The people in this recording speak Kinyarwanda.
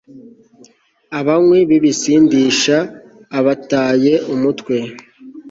Abanywi bibisindisha abataye umutwe